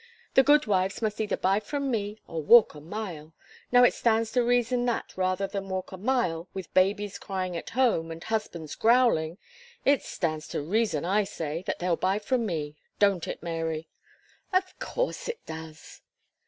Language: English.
"The goodwives must either buy from me, or walk a mile. Now it stands to reason that, rather than walk a mile, with babies crying at home, and husbands growling it stands to reason, I say, that they'll buy from me. Don't it, Mary?" "Of course it does."